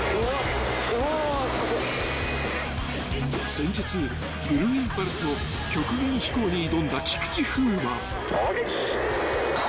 ［先日ブルーインパルスの極限飛行に挑んだ菊池風磨］